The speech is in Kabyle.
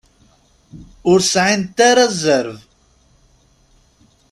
Ur sɛint ara zzerb.